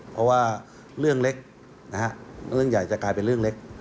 เพราะว่าเรื่องเล็กนะฮะเรื่องใหญ่จะกลายเป็นเรื่องเล็ก